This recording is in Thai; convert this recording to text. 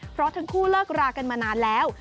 เพราะทั้งคู่เลิกรากันมานานแล้ว